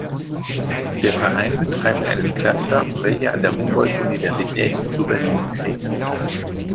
Der Verein betreibt einen Cluster, welcher an der Humboldt-Universität zu Berlin steht.